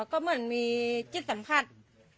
ก็เหมือนมีจิตสัมผัส